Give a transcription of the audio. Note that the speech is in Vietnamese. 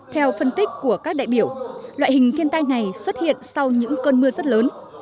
theo phân tích của các đại biểu loại hình thiên tai này xuất hiện sau những cơn mưa rất lớn